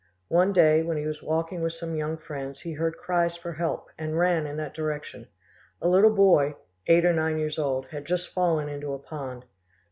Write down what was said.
One day, when he was walking with some young friends, he heard cries for help, and ran in that direction: a little boy, eight or nine years old, had just fallen into a pond.